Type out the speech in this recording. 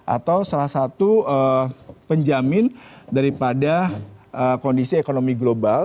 atau salah satu penjamin daripada kondisi ekonomi global